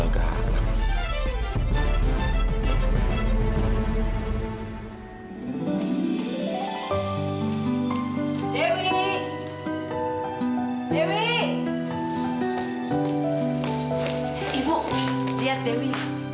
enggak seharian saya nggak ngelihat dewi kenapa bu mungkin aja kesanggar